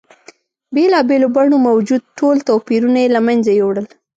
بېلا بېلو بڼو موجود ټول توپیرونه یې له منځه یوړل.